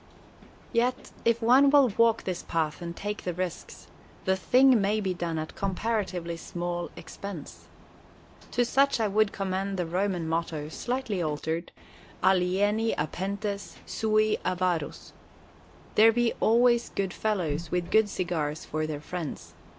Yet, if one will walk this path and take the risks, the thing may be done at comparatively small expense. To such I would commend the Roman motto, slightly altered—Alieni appetens, sui avarus. There be always good fellows, with good cigars for their friends.